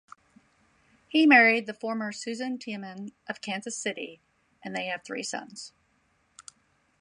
He married the former Susan Tiemann of Kansas City and they have three sons.